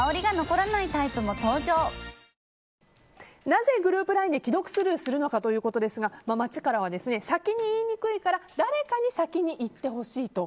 なぜグループＬＩＮＥで既読スルーするのかということですが街からは先に言いにくいから誰かに先に言ってほしい。